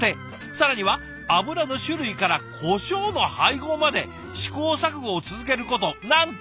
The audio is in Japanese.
更には油の種類からこしょうの配合まで試行錯誤を続けることなんと１年！